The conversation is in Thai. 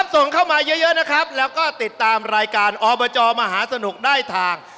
ส่งเข้ามาเยอะนะครับแล้วก็ติดตามรายการอบจมหาสนุกได้ทาง